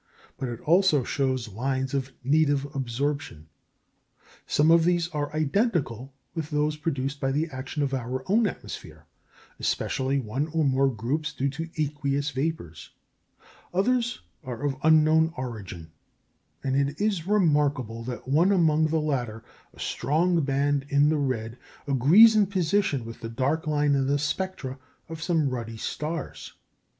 But it also shows lines of native absorption. Some of these are identical with those produced by the action of our own atmosphere, especially one or more groups due to aqueous vapours; others are of unknown origin; and it is remarkable that one among the latter a strong band in the red agrees in position with a dark line in the spectra of some ruddy stars.